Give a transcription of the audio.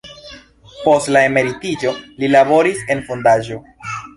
Post la emeritiĝo li laboris en fondaĵo.